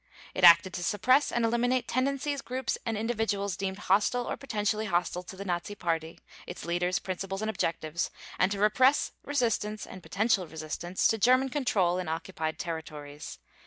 It acted to suppress and eliminate tendencies, groups, and individuals deemed hostile or potentially hostile to the Nazi Party, its leaders, principles, and objectives, and to repress resistance and potential resistance to German control in occupied territories.